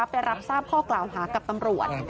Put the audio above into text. ไปรับทราบข้อกล่าวหากับตำรวจ